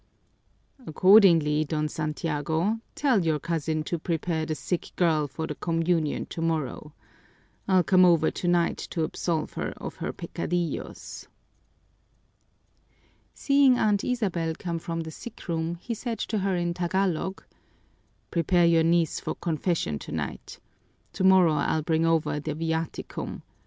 "Accordingly, Don Santiago, tell your cousin to prepare the sick girl for the communion tomorrow. I'll come over tonight to absolve her of her peccadillos." Seeing Aunt Isabel come from the sick room, he said to her in Tagalog, "Prepare your niece for confession tonight. Tomorrow I'll bring over the viaticum.